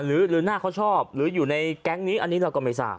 หรือหน้าเขาชอบหรืออยู่ในแก๊งนี้อันนี้เราก็ไม่ทราบ